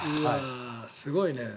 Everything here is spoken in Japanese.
すごいね。